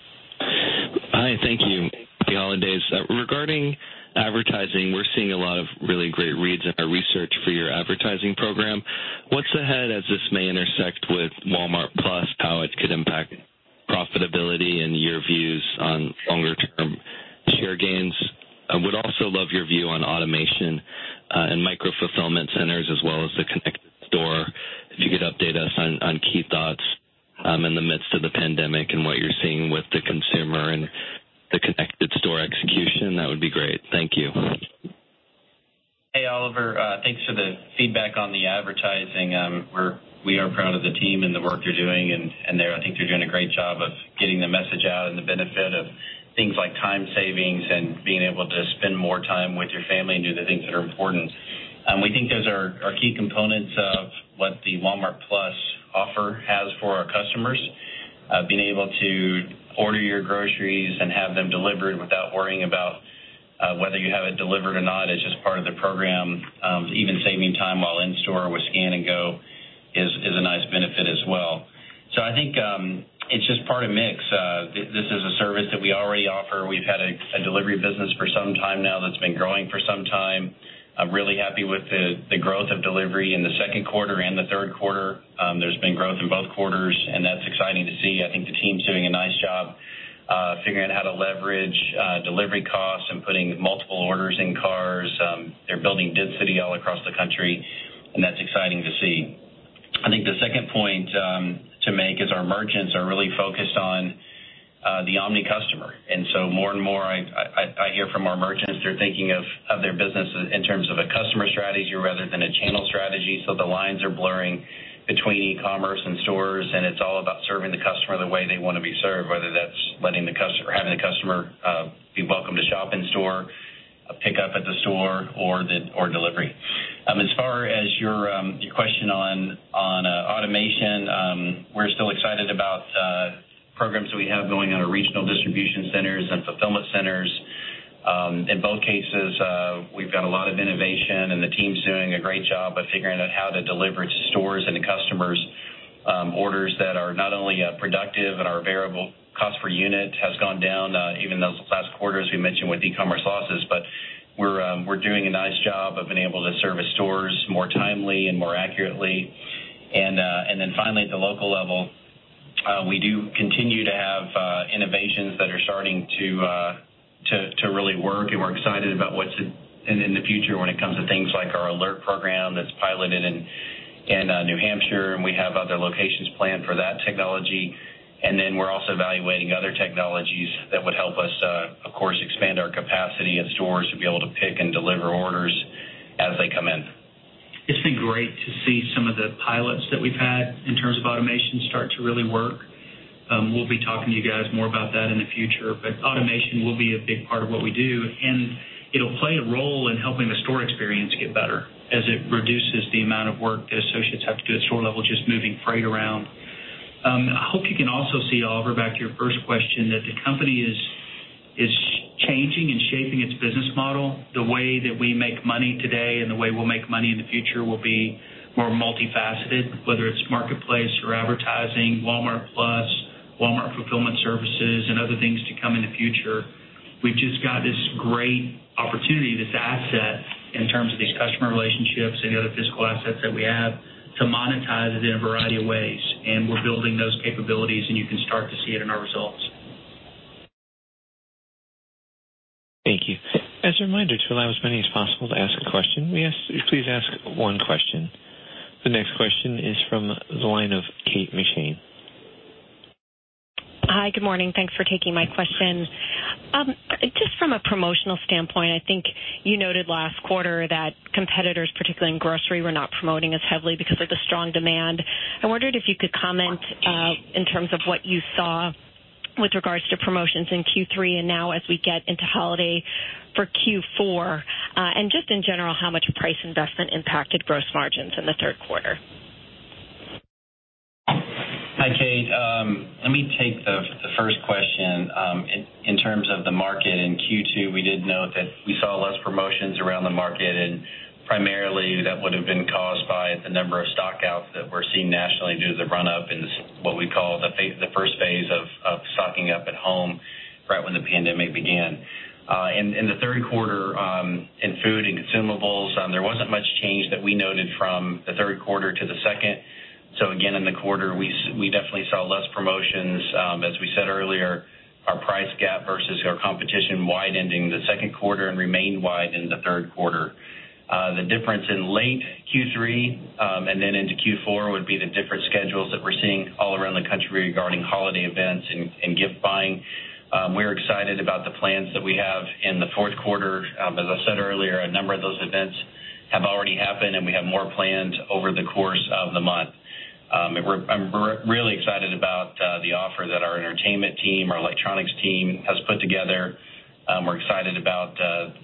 Hi, thank you. Happy holidays. Regarding advertising, we're seeing a lot of really great reads in our research for your advertising program. What's ahead, as this may intersect with Walmart+, how it could impact profitability and your views on longer-term share gains? I would also love your view on automation and micro-fulfillment centers, as well as the connected store. If you could update us on key thoughts in the midst of the pandemic and what you're seeing with the consumer and the connected store execution, that would be great. Thank you. Hey, Oliver. Thanks for the feedback on the advertising. We are proud of the team and the work they're doing. I think they're doing a great job of getting the message out and the benefit of things like time savings and being able to spend more time with your family and do the things that are important. We think those are key components of what the Walmart+ offer has for our customers. Being able to order your groceries and have them delivered without worrying about whether you have it delivered or not, it's just part of the program. Even saving time while in store with Scan & Go is a nice benefit as well. I think it's just part of mix. This is a service that we already offer. We've had a delivery business for some time now, that's been growing for some time. I'm really happy with the growth of delivery in the second quarter and the third quarter. There's been growth in both quarters, and that's exciting to see. I think the team's doing a nice job figuring out how to leverage delivery costs and putting multiple orders in cars. They're building density all across the country, and that's exciting to see. I think the second point to make is our merchants are really focused on the omni-customer. More and more, I hear from our merchants, they're thinking of their business in terms of a customer strategy rather than a channel strategy. The lines are blurring between e-commerce and stores, and it's all about serving the customer the way they want to be served, whether that's having the customer be welcome to shop in store, pick up at the store, or delivery. As far as your question on automation, we're still excited about programs that we have going on our regional distribution centers and fulfillment centers. In both cases, we've got a lot of innovation, and the team's doing a great job of figuring out how to deliver to stores and to customers orders that are not only productive and our variable cost per unit has gone down, even those last quarter, as we mentioned with e-commerce losses. We're doing a nice job of being able to service stores more timely and more accurately. Finally, at the local level, we do continue to have innovations that are starting to really work, and we're excited about what's in the future when it comes to things like our Alphabot program that's piloted in New Hampshire, and we have other locations planned for that technology. We're also evaluating other technologies that would help us, of course, expand our capacity at stores to be able to pick and deliver orders as they come in. It's been great to see some of the pilots that we've had in terms of automation start to really work. We'll be talking to you guys more about that in the future, but automation will be a big part of what we do, and it'll play a role in helping the store experience get better as it reduces the amount of work that associates have to do at store level, just moving freight around. I hope you can also see, Oliver, back to your first question, that the company is changing and shaping its business model. The way that we make money today and the way we'll make money in the future will be more multifaceted, whether it's Marketplace or advertising, Walmart+, Walmart Fulfillment Services, and other things to come in the future. We've just got this great opportunity, this asset, in terms of these customer relationships and the other physical assets that we have, to monetize it in a variety of ways, and we're building those capabilities, and you can start to see it in our results. Thank you. As a reminder, to allow as many as possible to ask a question, may I please ask one question. The next question is from the line of Kate McShane. Hi. Good morning. Thanks for taking my question. Just from a promotional standpoint, I think you noted last quarter that competitors, particularly in grocery, were not promoting as heavily because of the strong demand. I wondered if you could comment in terms of what you saw with regards to promotions in Q3 and now as we get into holiday for Q4. Just in general, how much price investment impacted gross margins in the third quarter? Hi, Kate. Let me take the first question. In terms of the market in Q2, we did note that we saw less promotions around the market, primarily that would've been caused by the number of stock-outs that we're seeing nationally due to the run-up in what we call the first phase of stocking up at home right when the pandemic began. In the third quarter, in food and consumables, there wasn't much change that we noted from the third quarter to the second. Again, in the quarter, we definitely saw less promotions. As we said earlier, our price gap versus our competition widened the second quarter and remained wide in the third quarter. The difference in late Q3, then into Q4 would be the different schedules that we're seeing all around the country regarding holiday events and gift buying. We're excited about the plans that we have in the fourth quarter. As I said earlier, a number of those events have already happened, and we have more planned over the course of the month. I'm really excited about the offer that our entertainment team, our electronics team has put together. We're excited about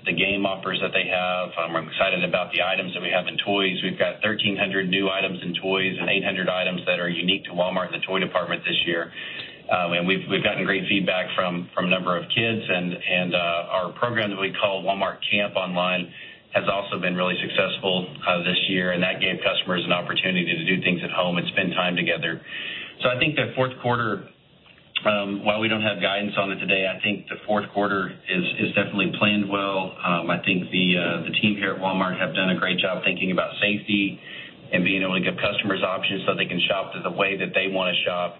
the game offers that they have. I'm excited about the items that we have in toys. We've got 1,300 new items in toys and 800 items that are unique to Walmart in the toy department. We've gotten great feedback from a number of kids and our program that we call Camp by Walmart has also been really successful this year, and that gave customers an opportunity to do things at home and spend time together. I think the fourth quarter, while we don't have guidance on it today, I think the fourth quarter is definitely planned well. I think the team here at Walmart have done a great job thinking about safety and being able to give customers options so they can shop the way that they want to shop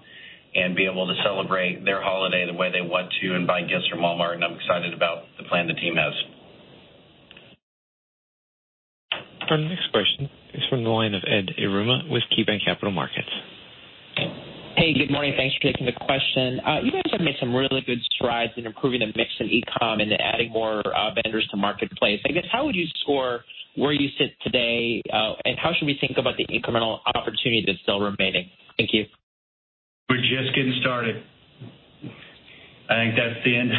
and be able to celebrate their holiday the way they want to and buy gifts from Walmart. I'm excited about the plan the team has. Our next question is from the line of Ed Yruma with KeyBanc Capital Markets. Hey, good morning. Thanks for taking the question. You guys have made some really good strides in improving the mix in e-com and adding more vendors to Marketplace. I guess how would you score where you sit today? How should we think about the incremental opportunity that's still remaining? Thank you. We're just getting started. I think that's the end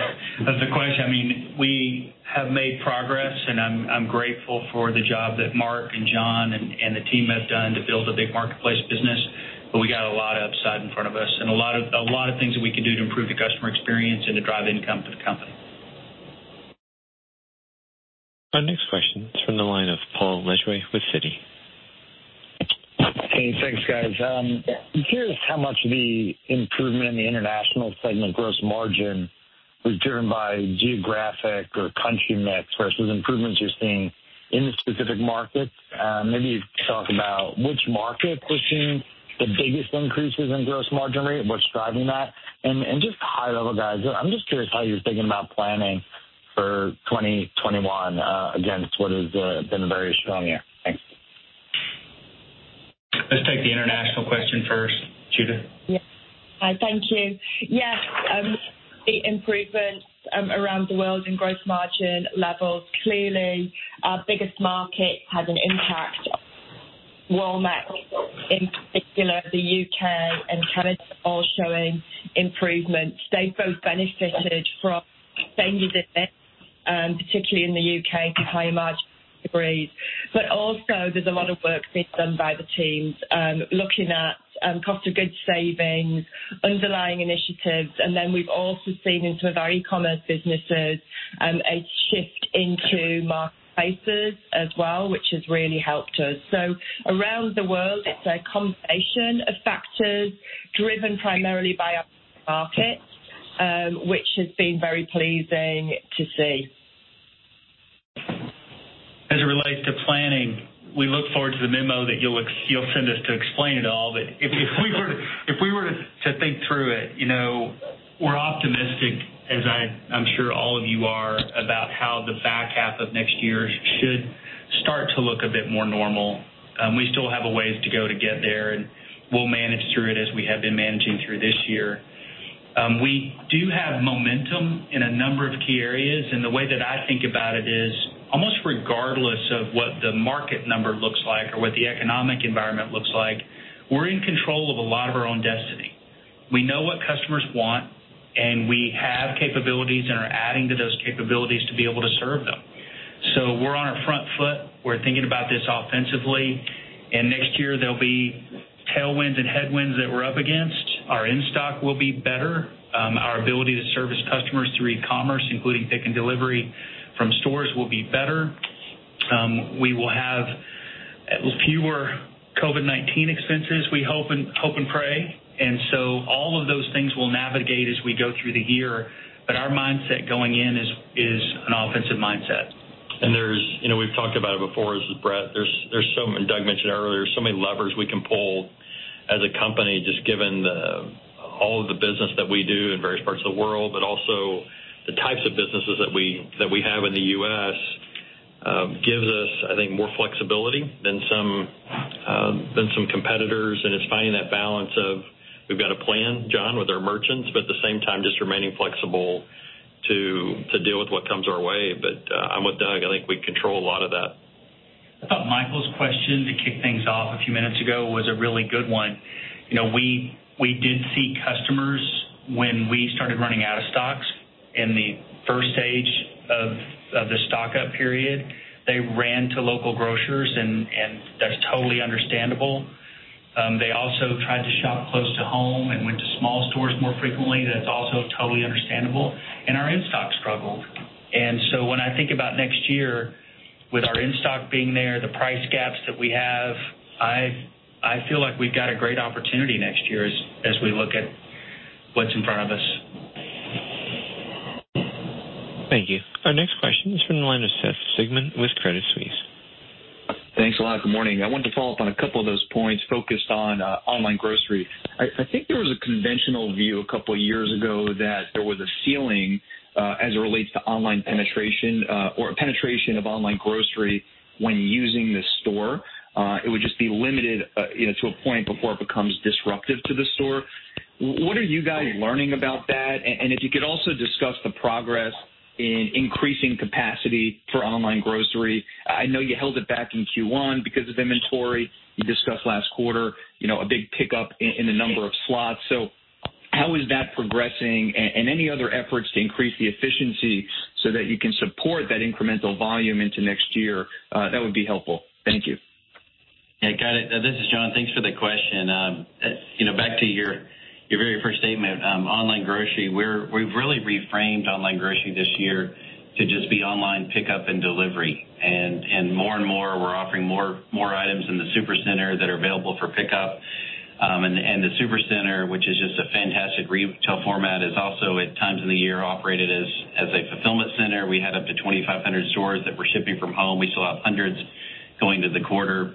of the question. We have made progress, and I'm grateful for the job that Marc and John and the team have done to build a big Marketplace business. We got a lot of upside in front of us and a lot of things that we can do to improve the customer experience and to drive income to the company. Our next question is from the line of Paul Lejuez with Citi. Hey, thanks, guys. I'm curious how much of the improvement in the international segment gross margin was driven by geographic or country mix versus improvements you're seeing in the specific markets. Maybe talk about which markets we're seeing the biggest increases in gross margin rate and what's driving that and just high level, guys. I'm just curious how you're thinking about planning for 2021, against what has been a very strong year. Thanks. Let's take the international question first. Judith? Yeah. Hi. Thank you. Yes. The improvements around the world in gross margin levels, clearly our biggest market has an impact on Walmart, in particular, the U.K. and Canada are showing improvements. They've both benefited from changes in mix, particularly in the U.K., to higher margin categories. Also there's a lot of work being done by the teams looking at cost of goods savings, underlying initiatives. We've also seen in some of our e-commerce businesses, a shift into Marketplace as well, which has really helped us. Around the world, it's a combination of factors driven primarily by our markets, which has been very pleasing to see. As it relates to planning, we look forward to the memo that you'll send us to explain it all. If we were to think through it, we're optimistic, as I'm sure all of you are, about how the back half of next year should start to look a bit more normal. We still have a ways to go to get there, and we'll manage through it as we have been managing through this year. We do have momentum in a number of key areas, and the way that I think about it is almost regardless of what the market number looks like or what the economic environment looks like, we're in control of a lot of our own destiny. We know what customers want, and we have capabilities and are adding to those capabilities to be able to serve them. We're on our front foot. We're thinking about this offensively, and next year there'll be tailwinds and headwinds that we're up against. Our in-stock will be better. Our ability to service customers through e-commerce, including pick and delivery from stores, will be better. We will have fewer COVID-19 expenses, we hope and pray. All of those things we'll navigate as we go through the year. Our mindset going in is an offensive mindset. We've talked about it before, this is Brett. Doug mentioned earlier, there's so many levers we can pull as a company, just given all of the business that we do in various parts of the world, but also the types of businesses that we have in the U.S., gives us, I think, more flexibility than some competitors, and it's finding that balance of we've got to plan, John, with our merchants, but at the same time, just remaining flexible to deal with what comes our way. I'm with Doug. I think we control a lot of that. I thought Michael's question to kick things off a few minutes ago was a really good one. We did see customers when we started running out of stocks in the first stage of the stock-up period. They ran to local grocers, and that's totally understandable. They also tried to shop close to home and went to small stores more frequently. That's also totally understandable. Our in-stock struggled. When I think about next year with our in-stock being there, the price gaps that we have, I feel like we've got a great opportunity next year as we look at what's in front of us. Thank you. Our next question is from the line of Seth Sigman with Credit Suisse. Thanks a lot. Good morning. I wanted to follow up on a couple of those points focused on online grocery. I think there was a conventional view a couple of years ago that there was a ceiling, as it relates to online penetration, or penetration of online grocery when using the store. It would just be limited to a point before it becomes disruptive to the store. What are you guys learning about that? If you could also discuss the progress in increasing capacity for online grocery. I know you held it back in Q1 because of inventory. You discussed last quarter a big pickup in the number of slots. How is that progressing and any other efforts to increase the efficiency so that you can support that incremental volume into next year? That would be helpful. Thank you. Yeah, got it. This is John. Thanks for the question. Back to your very first statement, online grocery, we've really reframed online grocery this year to just be online pickup and delivery. More and more, we're offering more items in the Supercenter that are available for pickup. The Supercenter, which is just a fantastic retail format, is also, at times of the year, operated as a fulfillment center. We had up to 2,500 stores that were shipping from home. We still have hundreds going into the quarter.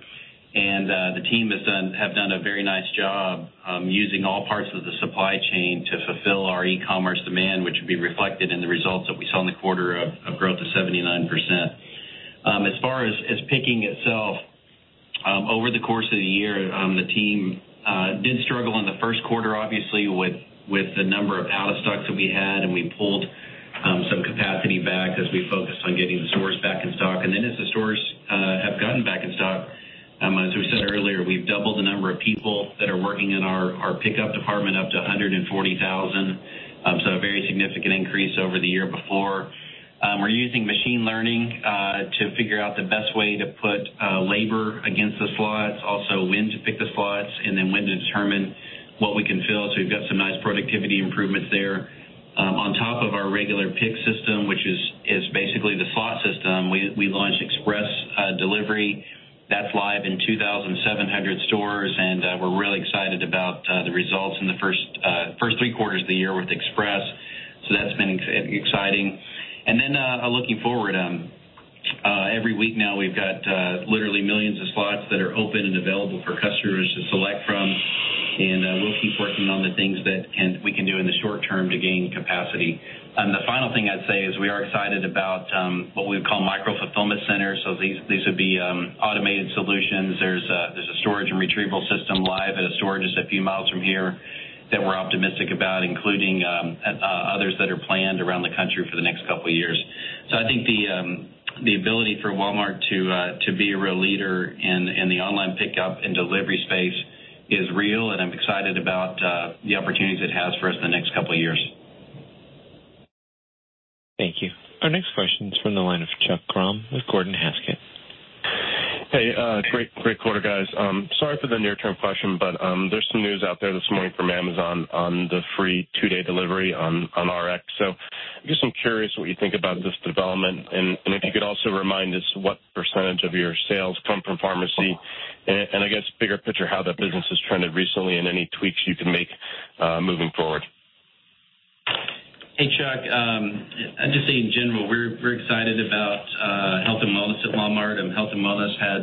The team have done a very nice job using all parts of the supply chain to fulfill our e-commerce demand, which would be reflected in the results that we saw in the quarter of growth of 79%. As far as picking itself, over the course of the year, the team did struggle in the first quarter, obviously, with the number of out-of-stocks that we had, and we pulled some capacity back as we focused on getting the stores back in stock. Then as the stores have gotten back in stock, as we said earlier, we've doubled the number of people that are working in our pickup department up to 140,000. A very significant increase over the year before. We're using machine learning to figure out the best way to put labor against the slots, also when to pick the slots, and then when to determine what we can fill. We've got some nice productivity improvements there. On top of our regular pick system, which is basically the slot system, we launched Express Delivery. That's live in 2,700 stores. We're really excited about the results in the first three quarters of the year with Express. That's been exciting. Looking forward, every week now we've got literally millions of slots that are open and available for customers to select from. We'll keep working on the things that we can do in the short term to gain capacity. The final thing I'd say is we are excited about what we would call micro-fulfillment centers. These would be automated solutions. There's a storage and retrieval system live at a store just a few miles from here that we're optimistic about, including others that are planned around the country for the next couple of years. I think the ability for Walmart to be a real leader in the online pickup and delivery space is real, and I'm excited about the opportunities it has for us in the next couple of years. Thank you. Our next question is from the line of Chuck Grom with Gordon Haskett. Hey, great quarter, guys. Sorry for the near-term question, but there's some news out there this morning from Amazon on the free two-day delivery on Rx. I guess I'm curious what you think about this development, and if you could also remind us what percent of your sales come from pharmacy and, I guess, bigger picture, how that business has trended recently and any tweaks you can make moving forward. Hey, Chuck. I'd just say, in general, we're very excited about health and wellness at Walmart. Health and wellness had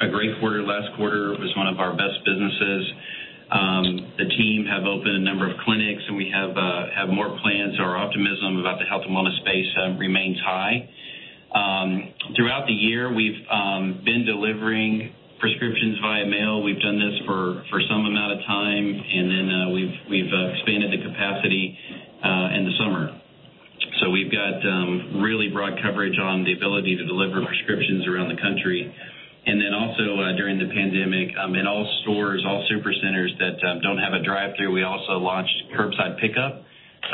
a great quarter last quarter. It was one of our best businesses. The team have opened a number of clinics. We have more plans, and our optimism about the health and wellness space remains high. Throughout the year, we've been delivering prescriptions via mail. We've done this for some amount of time. Then we've expanded the capacity in the summer. We've got really broad coverage on the ability to deliver prescriptions around the country. Also during the pandemic, in all stores, all Supercenters that don't have a drive-thru, we also launched curbside pickup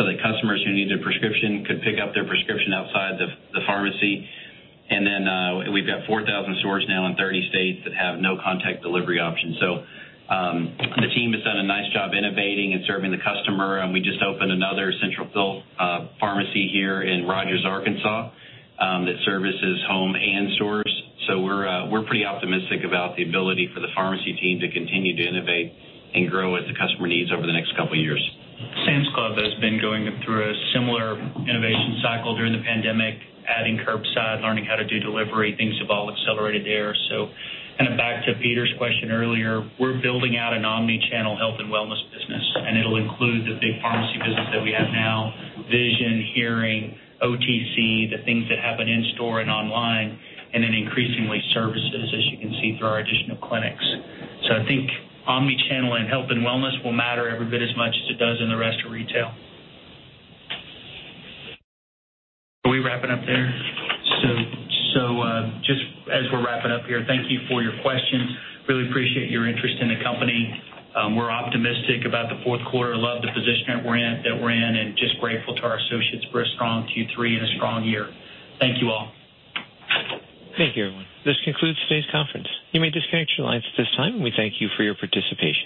so that customers who need their prescription could pick up their prescription outside the pharmacy. We've got 4,000 stores now in 30 states that have no-contact delivery options. The team has done a nice job innovating and serving the customer. We just opened another central fill pharmacy here in Rogers, Arkansas, that services home and stores. We're pretty optimistic about the ability for the pharmacy team to continue to innovate and grow with the customer needs over the next couple of years. Sam's Club has been going through a similar innovation cycle during the pandemic, adding curbside, learning how to do delivery. Things have all accelerated there. Back to Peter's question earlier, we're building out an omni-channel health and wellness business, and it'll include the big pharmacy business that we have now, vision, hearing, OTC, the things that happen in-store and online, and then increasingly, services, as you can see through our additional clinics. I think omni-channel and health and wellness will matter every bit as much as it does in the rest of retail. Are we wrapping up there? Just as we're wrapping up here, thank you for your questions. Really appreciate your interest in the company. We're optimistic about the fourth quarter. Love the position that we're in, and just grateful to our associates for a strong Q3 and a strong year. Thank you all. Thank you, everyone. This concludes today's conference. You may disconnect your lines at this time, and we thank you for your participation.